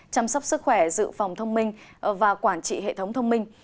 chăm sóc sức khỏe dự phòng thông minh và quản trị hệ thống thông minh